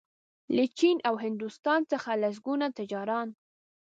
له چین او هندوستان څخه لسګونه تجاران